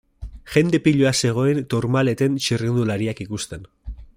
Jende piloa zegoen Tourmaleten txirrindulariak ikusten.